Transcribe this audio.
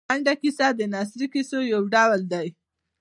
لنډه کیسه د نثري کیسو یو ډول دی.